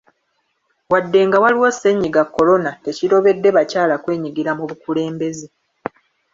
Wadde nga waliwo ssenyiga Korona tekirobedde bakyala kwenyigira mu bukulembeze.